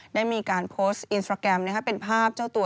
ได้มีการโพสต์อินสตราแกรมเป็นภาพเจ้าตัว